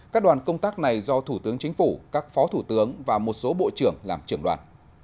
các đoàn công tác này do thủ tướng chính phủ các phó thủ tướng và một số bộ trưởng làm trưởng đoàn